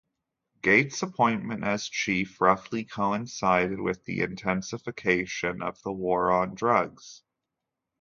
Gates's appointment as chief roughly coincided with the intensification of the War on Drugs.